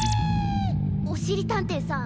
おしりたんていさん